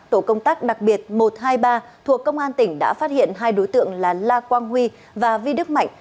tổ công tác đặc biệt một trăm hai mươi ba thuộc công an tỉnh đã phát hiện hai đối tượng là la quang huy và vi đức mạnh